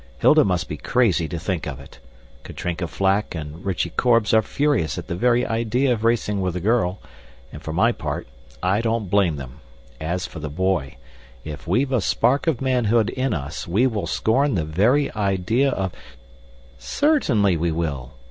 Hilda must be crazy to think of it. Katrinka Flack and Rychie Korbes are furious at the very idea of racing with the girl; and for my part, I don't blame them. As for the boy, if we've a spark of manhood in us, we will scorn the very idea of " "Certainly we will!"